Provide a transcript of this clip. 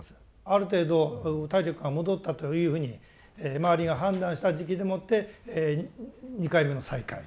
ある程度体力が戻ったというふうに周りが判断した時期でもって２回目の再開。